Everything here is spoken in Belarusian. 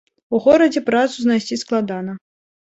У горадзе працу знайсці складана.